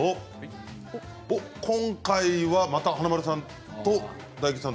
今回はまた華丸さんと大吉さん